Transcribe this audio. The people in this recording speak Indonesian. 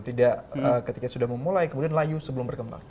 tidak ketika sudah memulai kemudian layu sebetulnya